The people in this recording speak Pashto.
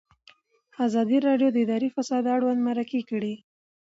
ازادي راډیو د اداري فساد اړوند مرکې کړي.